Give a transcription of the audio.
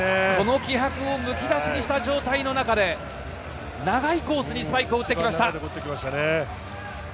気迫をむき出しにした中で長いコースにスパイクを打ってきました。